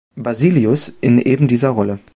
Basilius in eben dieser Rolle.